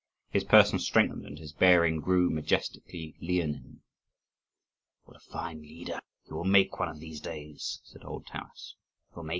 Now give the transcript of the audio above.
His person strengthened, and his bearing grew majestically leonine. "What a fine leader he will make one of these days!" said old Taras.